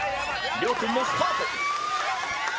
亮君もスタート